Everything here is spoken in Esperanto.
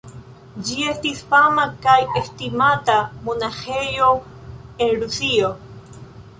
Ĝi estis fama kaj estimata monaĥejo en Rusio.